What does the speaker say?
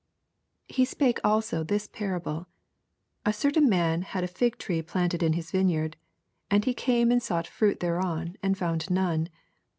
6 He epake also this parable : A certain man had a fig tree planted in his vineyard : and he came and sought fruit thereon, and found none.